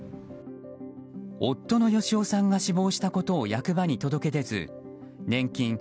夫の啓夫さんが死亡したことを役場に届け出ず年金